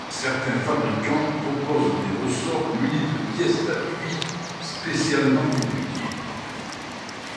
Certains fabricants proposent des ressorts munis de pièces d'appui spécialement étudiées.